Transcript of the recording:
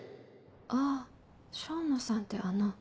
あぁ笙野さんってあの。